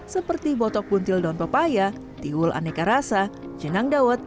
seperti botok puntil daun papaya tiul aneka rasa jenang dawet